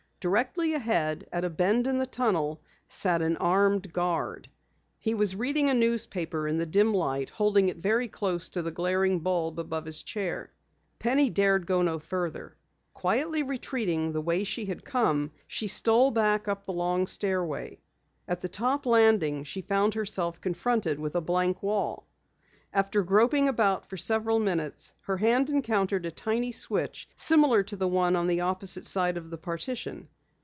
Directly ahead, at a bend in the tunnel, sat an armed guard. He was reading a newspaper in the dim light, holding it very close to the glaring bulb above his chair. Penny dared go no farther. Quietly retreating the way she had come, she stole back up the long stairway. At the top landing she found herself confronted with a blank wall. After groping about for several minutes, her hand encountered a tiny switch similar to the one on the opposite side of the partition.